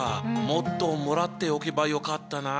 もっともらっておけばよかったな。